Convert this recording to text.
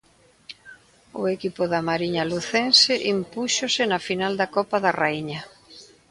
O equipo da Mariña Lucense impúxose na final da Copa da Raíña.